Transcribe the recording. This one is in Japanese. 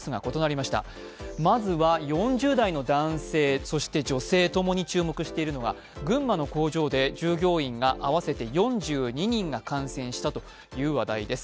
まずは４０代の男性、女性ともに注目しているのが群馬の工場で従業員が合わせて４２人が感染したという話題です。